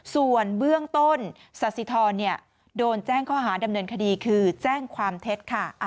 ส่วนเบื้องต้นสัสสิทรโดนแจ้งข้อหาดำเนินคดีคือแจ้งความเท็จค่ะ